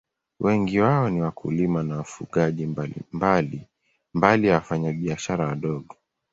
Wengi wao ni wakulima na wafugaji, mbali ya wafanyabiashara wadogo.